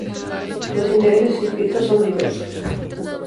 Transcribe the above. Sus intereses y escritos son diversos.